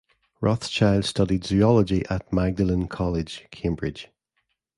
Rothschild studied zoology at Magdalene College, Cambridge.